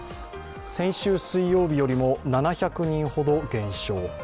先週水曜日よりも７００人ほど減少。